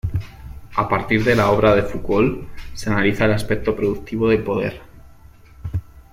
A partir de la obra de Foucault se analiza el aspecto productivo del poder.